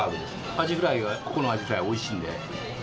アジフライは、ここのアジフライおいしいんで。